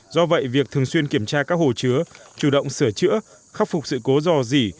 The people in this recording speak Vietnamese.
do vậy việc thường xuyên kiểm tra các hồ chứa chủ động sửa chữa khắc phục sự cố dò dỉ